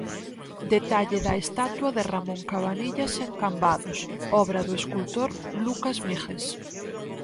Detalle da estatua de Ramón Cabanillas en Cambados, obra do escultor Lucas Míguez.